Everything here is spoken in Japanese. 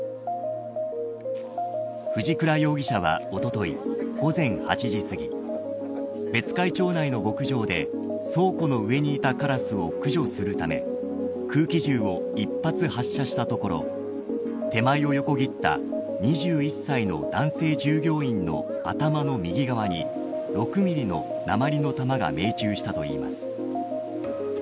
藤倉容疑者は、おととい午前８時すぎ別海町内の牧場で倉庫の上にいたカラスを駆除するため空気銃を１発発射したところ手前を横切った２１歳の男性従業員の頭の右側に６ミリの鉛の弾が命中したといいます。